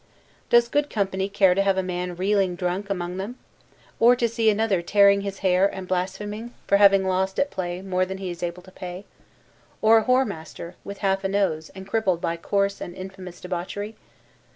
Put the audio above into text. Does good company care to have a man reeling drunk among them? Or to see another tearing his hair, and blaspheming, for having lost, at play, more than he is able to pay? Or a whoremaster with half a nose, and crippled by coarse and infamous debauchery?